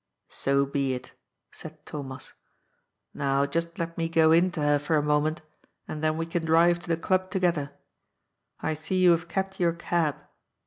" So be it," said Thomas. *' Now just let me go in to her for a moment, and then we can drive to the Club to gether. I see you have kept your cab."